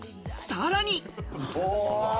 さらに。